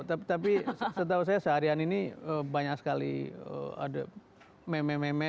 tapi setahu saya seharian ini banyak sekali ada meme meme